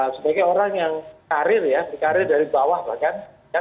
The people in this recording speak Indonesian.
sebagai orang yang karir ya berkarir dari bawah bahkan